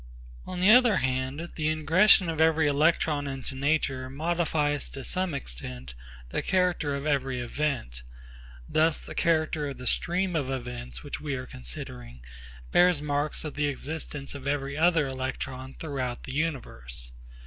On the other hand the ingression of every electron into nature modifies to some extent the character of every event. Thus the character of the stream of events which we are considering bears marks of the existence of every other electron throughout the universe.